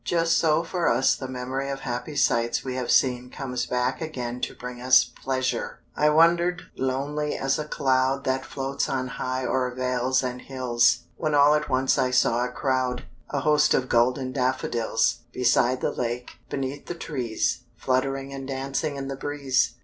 Just so for us the memory of happy sights we have seen comes back again to bring us pleasure. I wander'd lonely as a cloud That floats on high o'er vales and hills, When all at once I saw a crowd, A host of golden daffodils, Beside the lake, beneath the trees, Fluttering and dancing in the breeze.